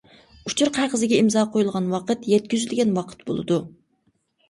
ئۇچۇر قەغىزىگە ئىمزا قويۇلغان ۋاقىت يەتكۈزۈلگەن ۋاقىت بولىدۇ.